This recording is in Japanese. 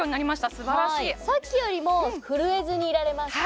素晴らしいさっきよりも震えずにいられます